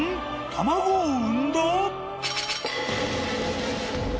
卵を産んだ！？］